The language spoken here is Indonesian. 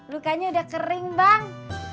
lukanya udah kering bang